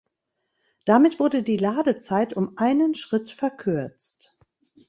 Damit wurde die Ladezeit um einen Schritt verkürzt.